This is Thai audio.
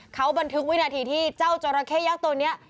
เขาบันทึกวินาทีที่เจ้าจราเข้ยักษ์ตัวนี้